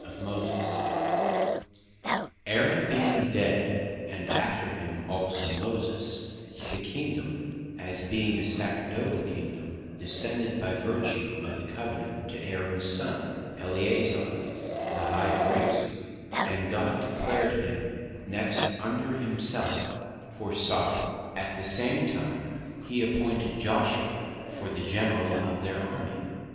After Moses The Soveraignty Was In The High Priest Aaron being dead, and after him also Moses, the Kingdome, as being a Sacerdotall Kingdome, descended by vertue of the Covenant, to Aarons Son, Eleazar the High Priest: And God declared him (next under himself) for Soveraign, at the same time that he appointed Joshua for the Generall of their Army.